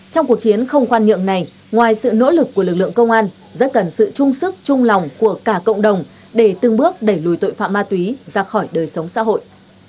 trong cuộc chiến không khoan nhượng này ngoài sự nỗ lực của lực lượng công an rất cần sự trung sức trung lòng của cả cộng đồng để từng bước đẩy lùi tội phạm ma túy ra khỏi đời sống xã hội